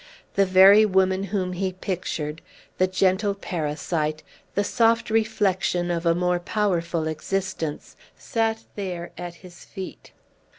The very woman whom he pictured the gentle parasite, the soft reflection of a more powerful existence sat there at his feet.